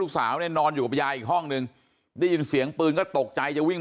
ลูกสาวนอนอยู่กับยายห้องนึงได้ยินเสียงปืนก็ตกใจจะวิ่ง